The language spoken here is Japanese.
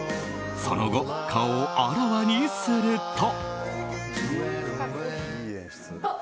その後、顔をあらわにすると。